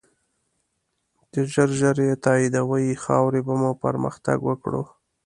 چی ژر ژر یی تایدوی ، خاوری به پرمختګ وکړو